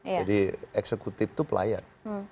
jadi eksekutif itu pelayan